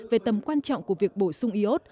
về tầm quan trọng của việc bổ sung iot